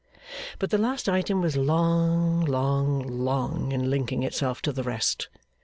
But the last item was long, long, long, in linking itself to the rest.